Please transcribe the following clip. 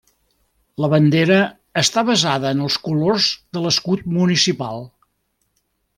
La bandera està basada en els colors de l'escut municipal.